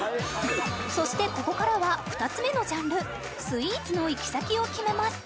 そしてここからは２つ目のジャンルスイーツの行き先を決めます